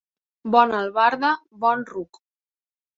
Bona albarda, bon ruc.